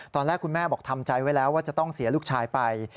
ตอนแรกคุณแม่บอกทำใจไว้แล้วว่าจะต้องเสียลูกชายไป